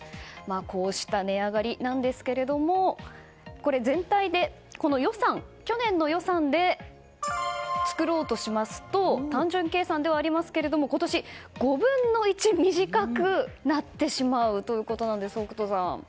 こうした値上がりなんですが全体で去年の予算で作ろうとしますと単純計算ではありますが今年は５分の１短くなってしまうということですよ、北斗さん。